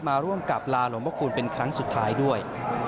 มาร่วมกับลาหลวงพระคุณเป็นครั้งสุดท้ายด้วย